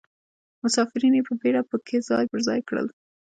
مسافرین یې په بیړه په کې ځای پر ځای کړل.